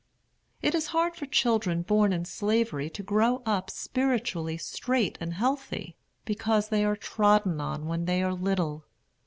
It is hard for children born in Slavery to grow up spiritually straight and healthy, because they are trodden on when they are little.